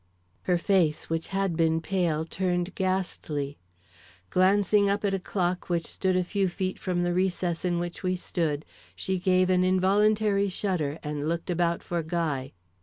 Her face, which had been pale, turned ghastly. Glancing up at a clock which stood a few feet from the recess in which we stood, she gave an involuntary shudder and looked about for Guy.